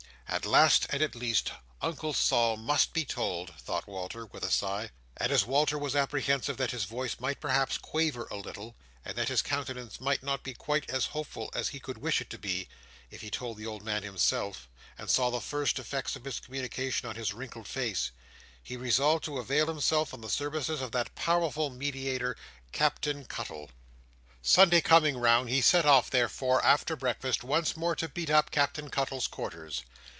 at last and at least, Uncle Sol must be told," thought Walter, with a sigh. And as Walter was apprehensive that his voice might perhaps quaver a little, and that his countenance might not be quite as hopeful as he could wish it to be, if he told the old man himself, and saw the first effects of his communication on his wrinkled face, he resolved to avail himself of the services of that powerful mediator, Captain Cuttle. Sunday coming round, he set off therefore, after breakfast, once more to beat up Captain Cuttle's quarters.